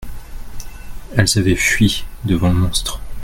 elles avaient fui devant le monstre.